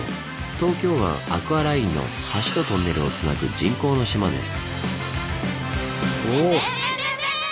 東京湾アクアラインの橋とトンネルをつなぐ人工の島です。